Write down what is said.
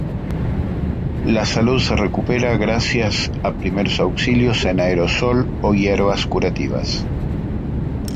La salud se recupera gracias a primeros auxilios en aerosol o hierbas curativas.